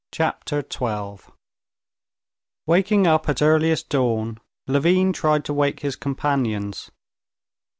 Chapter 12 Waking up at earliest dawn, Levin tried to wake his companions.